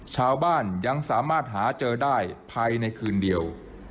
ชาวบ้านยังสามารถหาเจอได้ภายในคืนเดียว